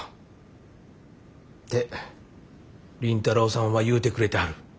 って凛太朗さんは言うてくれてはる。